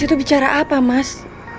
itu bicara apa mas